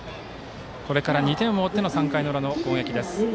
これから２点を追っての３回の裏の攻撃です。